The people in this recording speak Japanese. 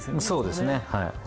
そうですねはい。